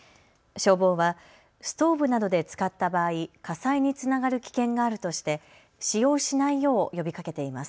消防はストーブなどで使った場合、火災につながる危険があるとして使用しないよう呼びかけています。